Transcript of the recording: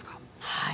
はい。